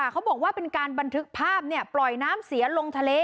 เขาบอกว่าเป็นการบันทึกภาพปล่อยน้ำเสียลงทะเล